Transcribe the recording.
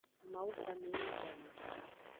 Mawu game yi nyi game.